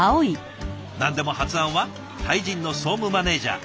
何でも発案はタイ人の総務マネージャー。